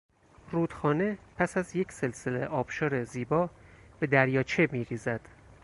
رودخانه پس از یک سلسله آبشار زیبا به دریاچه میریزد.